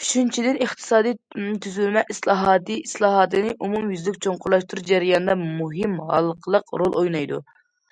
ئۈچىنچىدىن، ئىقتىسادىي تۈزۈلمە ئىسلاھاتى ئىسلاھاتىنى ئومۇميۈزلۈك چوڭقۇرلاشتۇرۇش جەريانىدا مۇھىم ھالقىلىق رول ئوينايدۇ.